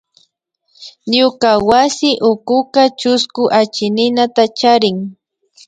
Ñuka wasi ukuka chusku achikninata charin